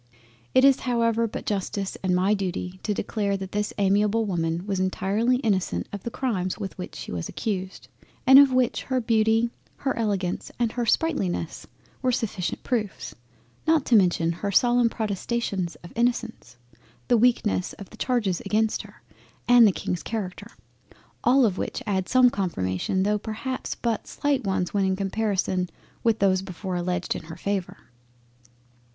It is however but Justice, and my Duty to declare that this amiable Woman was entirely innocent of the Crimes with which she was accused, and of which her Beauty, her Elegance, and her Sprightliness were sufficient proofs, not to mention her solemn Protestations of Innocence, the weakness of the Charges against her, and the King's Character; all of which add some confirmation, tho' perhaps but slight ones when in comparison with those before alledged in her favour.